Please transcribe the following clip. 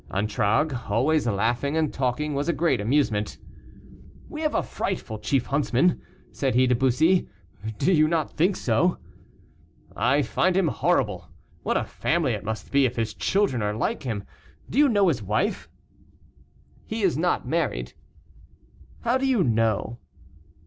Antragues, always laughing and talking, was a great amusement. "We have a frightful chief huntsman," said he to Bussy, "do you not think so?" "I find him horrible; what a family it must be if his children are like him. Do you know his wife?" "He is not married." "How do you know?"